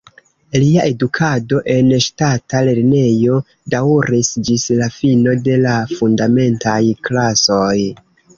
Lia edukado en ŝtata lernejo daŭris ĝis la fino de la fundamentaj klasoj.